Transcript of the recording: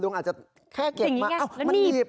ลุงอาจจะแค่เก็บมาอ้าวมันหนีบ